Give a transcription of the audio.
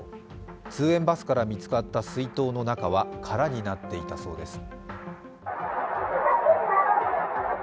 通園バスから見つかった水筒の中は空になっていたそうです。